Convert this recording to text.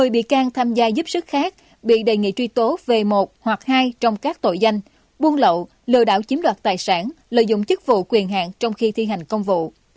một mươi bị can tham gia giúp sức khác bị đề nghị truy tố về một hoặc hai trong các tội danh buôn lậu lừa đảo chiếm đoạt tài sản lợi dụng chức vụ quyền hạn trong khi thi hành công vụ